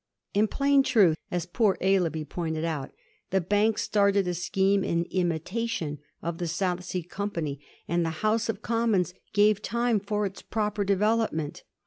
In plain truth, as poor Aislabie pointed out, the Bank started a scheme in imitation of the South Sea Company, and the House of Commons gave time for its proper development.